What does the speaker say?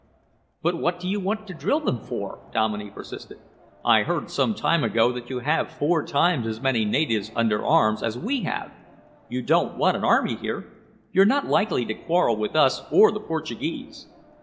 "But what do you want to drill them for?" Dominey persisted. "I heard some time ago that you have four times as many natives under arms as we have. You don't want an army here. You're not likely to quarrel with us or the Portuguese."